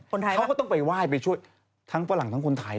เขาก็ไปไหว้ไปช่วยทั้งฝรั่งนึงทุกคนไทย